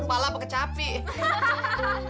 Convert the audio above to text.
kenal dirinya sebelah